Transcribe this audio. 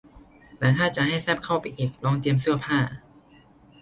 แต่ถ้าจะให้แซ่บเข้าไปอีกลองเตรียมเสื้อผ้า